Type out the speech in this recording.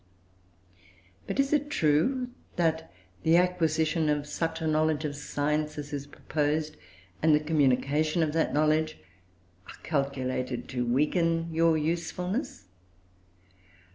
But is it true that the acquisition of such a knowledge of science as is proposed, and the communication of that knowledge, are calculated to weaken your usefulness?